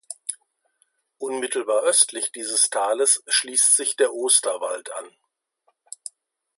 Unmittelbar östlich dieses Tales schließt sich der Osterwald an.